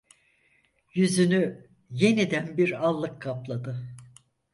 Yüzünü, yeniden bir allık kapladı.